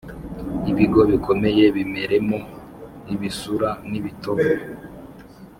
ibigo bikomeye bimeremo ibisura n’ibitovu,